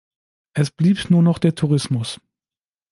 Es blieb nur noch der Tourismus.